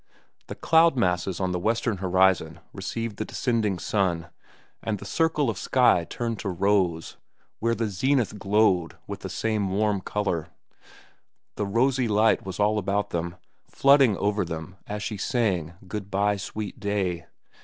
The cloud masses on the western horizon received the descending sun, and the circle of the sky turned to rose, while the zenith glowed with the same warm color. The rosy light was all about them, flooding over them, as she sang, "Good by, Sweet Day."